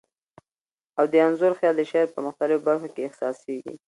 او د انځور خیال د شعر په مختلفو بر خو کي احسا سیږی.